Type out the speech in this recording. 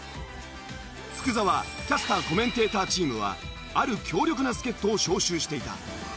福澤キャスター・コメンテーターチームはある強力な助っ人を招集していた。